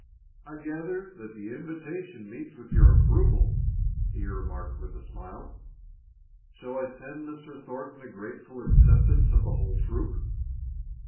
"I gather that the invitation meets with your approval," he remarked with a smile. "Shall I send Mr. Thornton the grateful acceptance of the whole troop?"